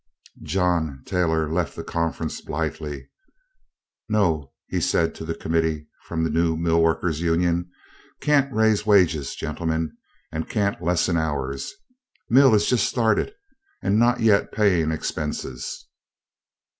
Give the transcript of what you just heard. John Taylor left the conference blithely. "No," he said to the committee from the new mill workers' union. "Can't raise wages, gentlemen, and can't lessen hours. Mill is just started and not yet paying expenses.